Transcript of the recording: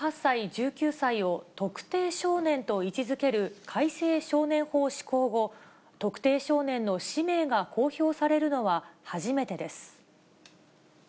１８歳、１９歳を特定少年と位置づける改正少年法施行後、特定少年の氏名が公表されるのは初めてです。